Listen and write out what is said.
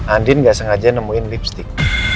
andin gak sengaja nemuin lipstick